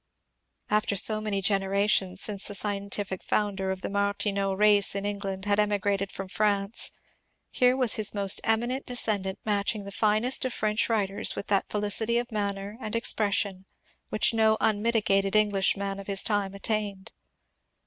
After so many generations since the scientific founder of the Martineau race in Eng land had emigrated from France, here was his most eminent descendant matching the finest of French writers with that felicity of manner and expression which no unmitigated Eng lish man of his time attained.